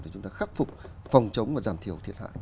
để chúng ta khắc phục phòng chống và giảm thiểu thiệt hại